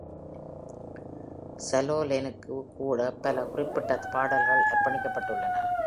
சலோனெனுக்கு கூட பல குறிப்பிடத்தக்க பாடல்கள் அர்ப்பணிக்கப்பட்டுள்ளன.